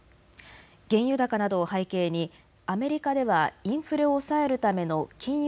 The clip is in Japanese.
原油高などを背景にアメリカではインフレを抑えるための金融